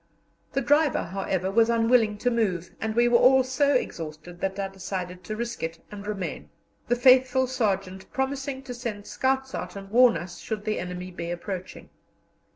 The driver, however, was unwilling to move, and we were all so exhausted that I decided to risk it and remain, the faithful sergeant promising to send scouts out and warn us should the enemy be approaching.